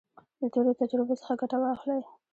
د تیرو تجربو څخه ګټه واخلئ.